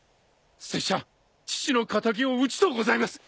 拙者父の敵を討ちとうございます。